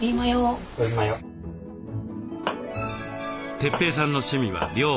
哲平さんの趣味は料理。